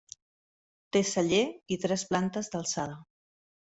Té celler i tres plantes d'alçada.